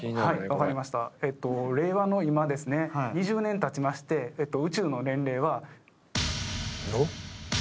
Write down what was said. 令和の今ですね２０年たちまして宇宙の年齢は。